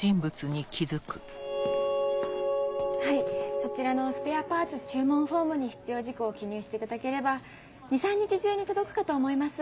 はいそちらのスペアパーツ注文フォームに必要事項を記入していただければ２３日中に届くかと思います。